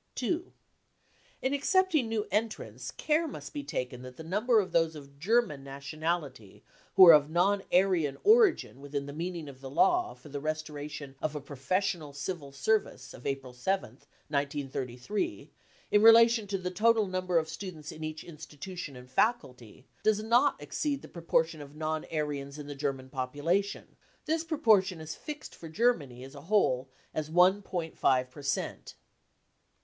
^ 2. In accepting new entrants care must be taken that the number of those of German nationality who are of THE CAMPAIGN AGAINST CULTURE 1 89 non Aryan origin within the meaning of the Law for the restoration of a professional civil service of April 7 th, 1933, in relation to the total number of students in each institution and faculty, does not exceed the propor tion of non Aryans in the German population. This proportion is fixed for Germany as a whole as 1.5 per cent.